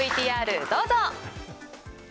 ＶＴＲ、どうぞ。